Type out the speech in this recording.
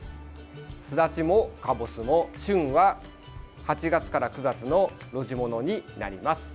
すだちも、かぼすも旬は８月から９月の露地ものになります。